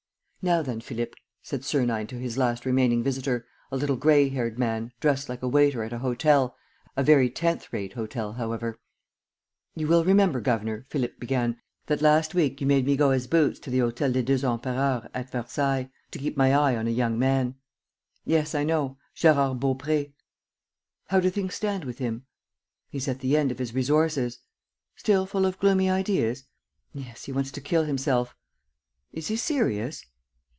"Now then, Philippe," said Sernine to his last remaining visitor, a little gray haired man, dressed like a waiter at a hotel, a very tenth rate hotel, however. "You will remember, governor," Philippe began, "that last week, you made me go as boots to the Hôtel des Deux Empereurs at Versailles, to keep my eye on a young man." "Yes, I know. ... Gérard Baupré. How do things stand with him?" "He's at the end of his resources." "Still full of gloomy ideas?" "Yes. He wants to kill himself." "Is he serious?"